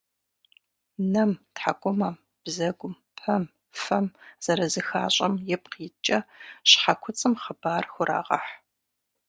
Нэм, тхьэкӏумэм, бзэгум, пэм, фэм зэрызыхащӏэм ипкъ иткӏэ щхьэкуцӏым хъыбар «хурагъэхь».